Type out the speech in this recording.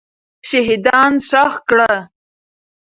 شهیدان ښخ کړه.